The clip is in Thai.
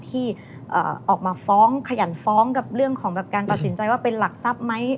ที่ออกมาฟ้องขยันฟ้องกับเรื่องของการตัดสินใจว่าเป็นหลักทรัพย์ไหม